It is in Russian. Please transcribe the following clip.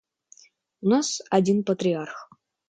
У нас — один патриарх.